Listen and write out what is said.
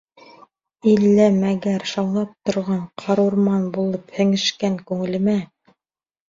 Иллә-мәгәр шаулап торған ҡарурман булып һеңешкән күңелемә.